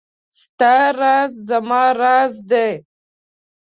ستا راز زما راز دی .